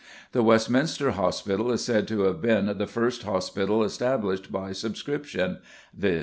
The Westminster Hospital is said to have been the first hospital established by subscription viz.